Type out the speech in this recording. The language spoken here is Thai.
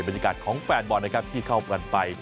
บรรยากาศของแฟนบอลนะครับพรีพิทร์เข้ากลับกันไป